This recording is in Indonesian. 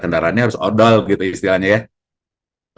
kendaranya harus odol gitu istilahnya yaa